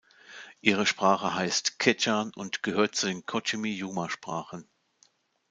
Ihre Sprache heißt Quechan und gehört zu den Cochimí-Yuma-Sprachen.